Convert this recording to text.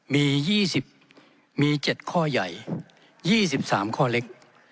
มี๒๐มี๗ข้อใหญ่๒๓ข้อเล็ก